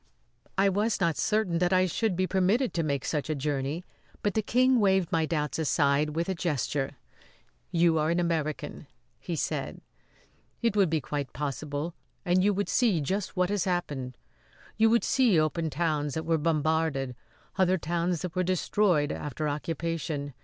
I was not certain that I should be permitted to make such a journey, but the King waved my doubts aside with a gesture. "You are an American," he said. "It would be quite possible and you would see just what has happened. You would see open towns that were bombarded; other towns that were destroyed after occupation!